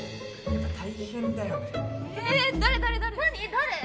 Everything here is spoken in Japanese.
誰？